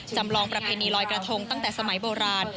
จำลองประเพณีลอยกระทงตั้งแต่สมัยโบราณ